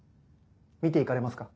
見て行かれますか？